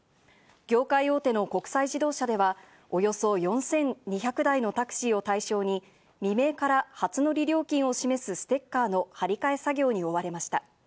業界大手の国際自動車ではおよそ４２００台のタクシーを対象に未明から初乗り料金を示すステッカーの貼り替え作業に追われました。